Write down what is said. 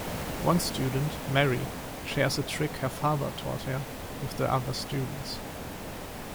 One student, Mary, shares a trick her father taught her with the other students.